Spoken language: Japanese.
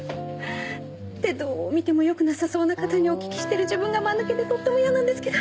ってどう見てもよくなさそうな方にお聞きしてる自分がマヌケでとっても嫌なんですけど。